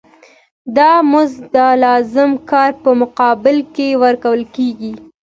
دا مزد د لازم کار په مقابل کې ورکول کېږي